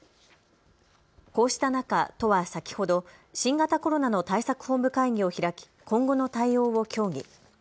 こうした中、都は先ほど新型コロナの対策本部会議を開き今後の対応を協議。